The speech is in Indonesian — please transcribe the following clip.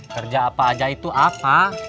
kerja apa aja itu apa